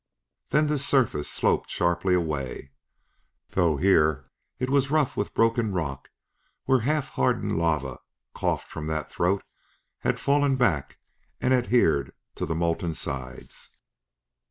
Then this surface sloped sharply away, though here it was rough with broken rock where half hardened lava, coughed from that throat, had fallen back and adhered to the molten sides.